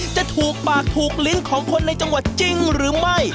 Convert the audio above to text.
จะถูกปากถูกลิ้นของคนในจังหวัดจริงหรือไม่